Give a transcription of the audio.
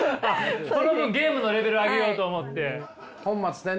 その分ゲームのレベル上げようと思って？